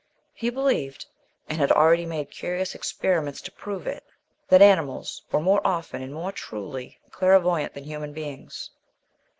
He believed (and had already made curious experiments to prove it) that animals were more often, and more truly, clairvoyant than human beings.